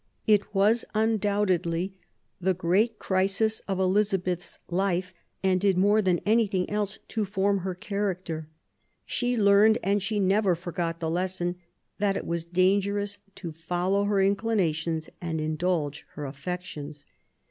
It was undoubtedly the great crisis of Elizabeth's life, and did more than anything else to form her character. She learned, and she never forgot the lesson, that it was dangerous to follow her inclinations and indulge her affections.